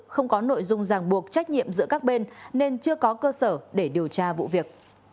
không có nội dung ràng buộc trách nhiệm giữa các bên nên chưa có cơ sở để điều tra vụ việc